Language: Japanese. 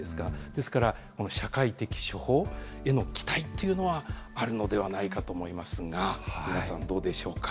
ですから、社会的処方への期待というのは、あるのではないかと思いますが、皆さん、どうでしょうか。